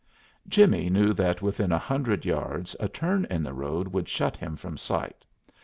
Jimmie knew that within a hundred yards a turn in the road would shut him from sight.